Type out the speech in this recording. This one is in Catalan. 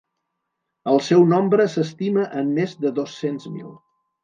El seu nombre s'estima en més de dos-cents mil.